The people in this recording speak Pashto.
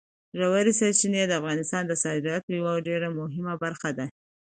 ژورې سرچینې د افغانستان د صادراتو یوه ډېره مهمه برخه ده.